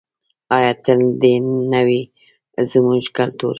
آیا تل دې نه وي زموږ کلتور؟